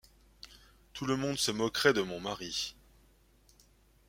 Tout le monde se moquerait de mon mari.